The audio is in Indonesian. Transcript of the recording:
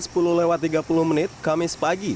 sekitar pukul sepuluh tiga puluh kamis pagi